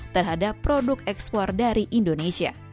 terhadap produk ekspor dari indonesia